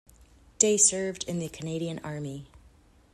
Day served in the Canadian Army.